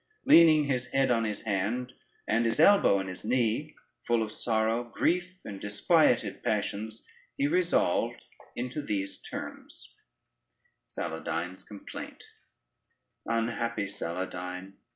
Leaning his head on his hand, and his elbow on his knee, full of sorrow, grief and disquieted passions, he resolved into these terms: [Footnote 1: herald.] SALADYNE'S COMPLAINT "Unhappy Saladyne!